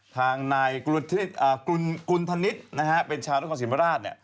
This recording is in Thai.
ทางนายกุลธนิษฐ์เป็นชาวนักความสินพระราช